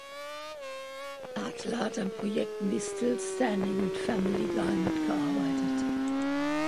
Adler hat an Projekten wie "Still Standing" und "Family Guy" mitgearbeitet.